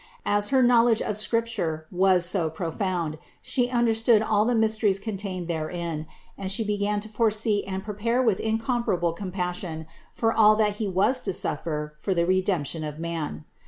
As her knowledge of Scripture was so profound, She understood all the mysteries contained therein and She began to foresee and prepare with in comparable compassion for all that He was to suffer for the Redemption of Man.